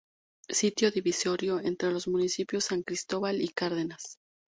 Sitio divisorio entre los municipios San Cristóbal y Cárdenas.